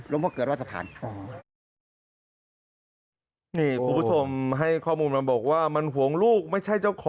ลุงกุฏวาดหาจะไม่รู้ครับอยู่ใต้ต่างแล้วก็พระสมเด็จและก็